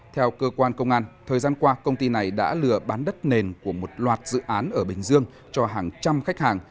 theo cơ quan công an thời gian qua công ty này đã lừa bán đất nền của một loạt dự án ở bình dương cho hàng trăm khách hàng